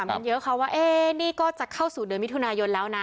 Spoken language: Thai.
มันเยอะค่ะว่านี่ก็จะเข้าสู่เดือนมิถุนายนแล้วนะ